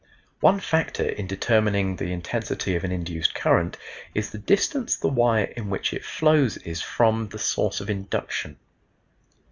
One factor in determining the intensity of an induced current is the distance the wire in which it flows is from the source of induction.